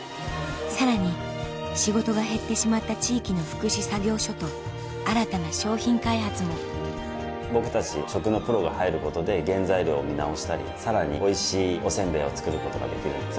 さらに仕事が減ってしまった地域の福祉作業所と新たな商品開発も僕たち食のプロが入ることで原材料を見直したりさらにおいしいお煎餅を作ることができる。